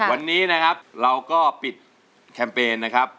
วันนี้นะครับเราก็ปิดแคมเปญนะครับ